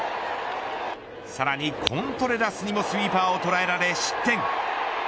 さらにコントレラスにもスイーパーを捉えられ失点。